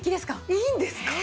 いいんですか？